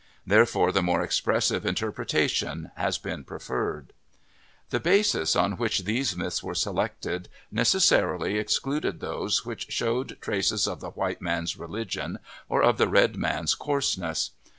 Therefore the more expressive interpretation has been preferred. The basis on which these myths were selected necessarily excluded those which showed traces of the white man's religion or of the red man's coarse ness.